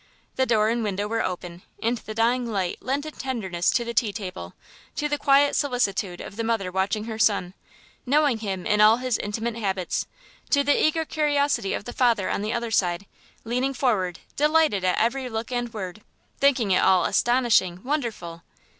The door and window were open, and the dying light lent a tenderness to the tea table, to the quiet solicitude of the mother watching her son, knowing him in all his intimate habits; to the eager curiosity of the father on the other side, leaning forward delighted at every look and word, thinking it all astonishing, wonderful.